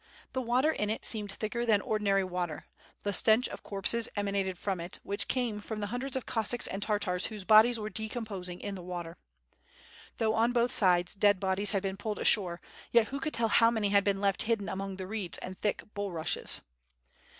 The water in it seemed thicker than ordinary water. The stench of corpses emanated from it, which came from the hundreds of Cossacks and Tartars whose bodies were decom posing in the water. Though on both sides dead bodies had been pulled ashore, yet who could tell how many had been left hidden among the reeds and thick bulrushes?